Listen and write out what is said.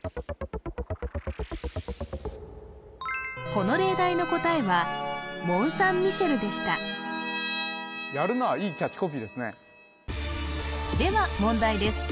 この例題の答えはでしたやるないいキャッチコピーですねでは問題です